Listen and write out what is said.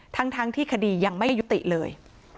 ทั้งทั้งที่คดียังไม่ใบ็ุติเลย